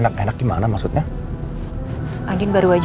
ya tidak apa apa pak kami permisi ya